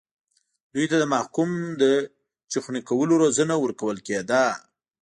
دوی ته د محکوم د چخڼي کولو روزنه ورکول کېده.